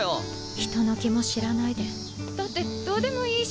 人の気も知らないでだってどうでもいいし。